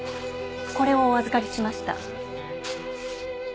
これをお預かりしました